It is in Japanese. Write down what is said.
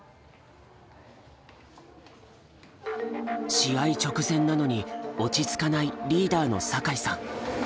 試合直前なのに落ち着かないリーダーの酒井さん。